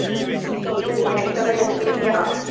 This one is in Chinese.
次年升任军长。